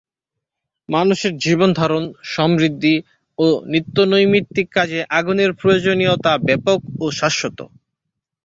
মানুষের জীবনধারণ, সমৃদ্ধি ও নিত্যনৈমিত্তিক কাজে আগুনের প্রয়োজনীয়তা ব্যাপক ও শাশ্বত।